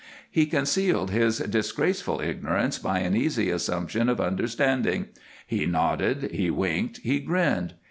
He concealed his disgraceful ignorance by an easy assumption of understanding. He nodded, he winked, he grinned.